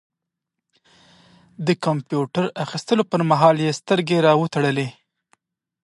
د کمپيوټر اخيستلو پر مهال يې سترګې را وتړلې.